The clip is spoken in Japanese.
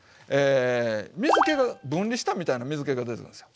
水けが分離したみたいな水けが出るんですよ。